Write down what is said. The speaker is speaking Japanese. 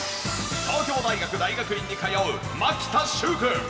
東京大学大学院に通う牧田習君。